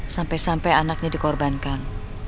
sampai sampai anaknya dikorbankan